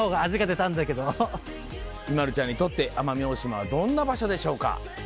ＩＭＡＬＵちゃんにとって奄美大島はどんな場所でしょうか？